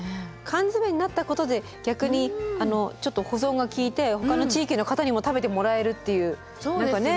缶詰になったことで逆にちょっと保存が利いてほかの地域の方にも食べてもらえるっていう何かね